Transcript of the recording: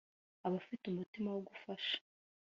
Abafite umutima wo gufasha